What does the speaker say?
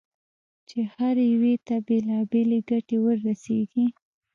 چې هر یوه ته بېلابېلې ګټې ورسېږي.